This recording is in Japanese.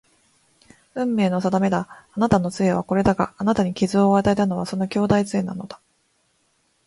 運命の定めだ。あなたの杖はこれだが、あなたに傷を与えたのはその兄弟杖なのだ